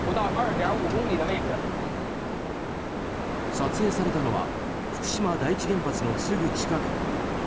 撮影されたのは福島第一原発のすぐ近く。